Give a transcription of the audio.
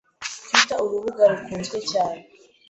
Twitter urubuga rukuzwe cyane